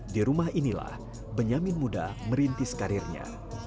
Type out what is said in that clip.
di rumah inilah benyamin muda merintis karirnya